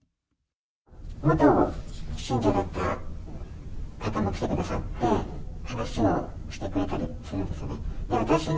元信者だった方も来てくださって、話をしてくれたりするんですね。